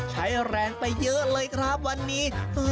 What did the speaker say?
ใช้แรงไปเยอะเลยครับวันนี้